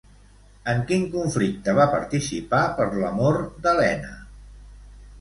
En quin conflicte va participar, per l'amor d'Helena?